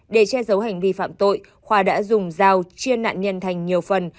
để che giấu hành vi phạm tội khoa đã dùng dao chia nạn nhân thành nhiều phần